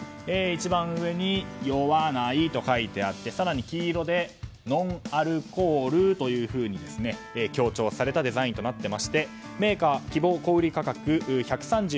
一番上に「よわない」と書かれてあって、更に黄色で「ノンアルコール」というふうに強調されたデザインとなっていましてメーカー希望小売価格１３２円